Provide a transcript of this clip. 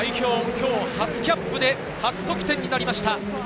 今日初キャップで初得点になりました。